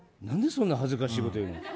なんでそんな恥ずかしいこと言うの？